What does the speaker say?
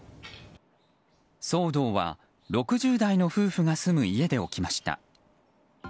騒動は６０代の夫婦が住む家で起きました。